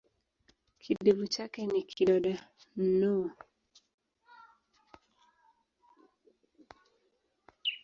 Kidevu chake ni kidoda nnoo.